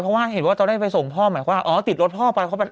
ไม่ใช่ว่าเป็นคู่ลูกที่ดี